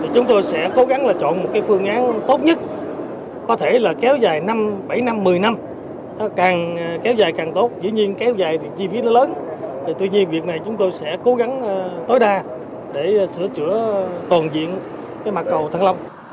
chúng tôi sẽ cố gắng là chọn một phương án tốt nhất có thể là kéo dài bảy năm một mươi năm càng kéo dài càng tốt dĩ nhiên kéo dài thì chi phí nó lớn tuy nhiên việc này chúng tôi sẽ cố gắng tối đa để sửa chữa toàn diện cái mặt cầu thăng long